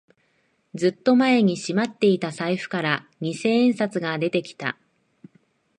ずっと前にしまっていた財布から二千円札が出てきた